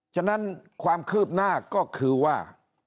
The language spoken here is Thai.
ฉะนั้นความคืบหน้าก็คือว่า